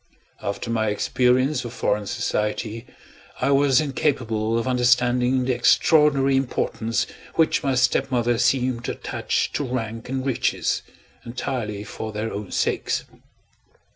After my experience of foreign society, I was incapable of understanding the extraordinary importance which my stepmother seemed to attach to rank and riches, entirely for their own sakes.